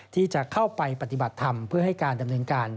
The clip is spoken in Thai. ที่จะเข้าไปปฏิบัติธรรมเพื่อให้การดำเนินการ